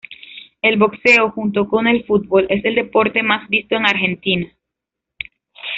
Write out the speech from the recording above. El boxeo, junto con el fútbol, es el deporte más visto en Argentina.